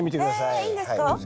えいいんですか？